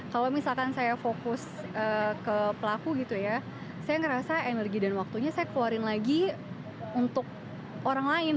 kalau misalkan saya fokus ke pelaku gitu ya saya ngerasa energi dan waktunya saya keluarin lagi untuk orang lain